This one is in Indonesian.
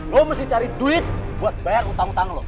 lo mesti cari duit buat bayar utang utang lo